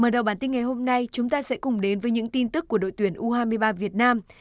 mở đầu bản tin ngày hôm nay chúng ta sẽ cùng đến với những tin tức của đội tuyển u hai mươi ba việt nam